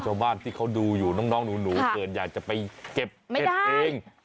ชาวบ้านที่เขาดูอยู่น้องหนูเกิดอยากจะไปเก็บเห็ดเอง